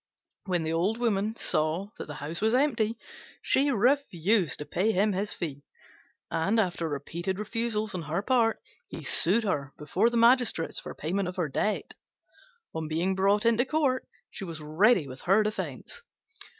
When the Old Woman saw that the house was empty she refused to pay him his fee; and, after repeated refusals on her part, he sued her before the magistrates for payment of her debt. On being brought into court she was ready with her defence.